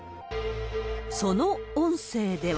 その音声では。